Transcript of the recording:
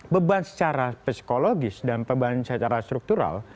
beban secara psikologis dan beban secara struktural